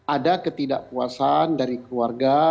ada ketidakpuasan dari keluarga